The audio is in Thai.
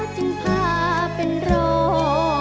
จึงพาเป็นรอ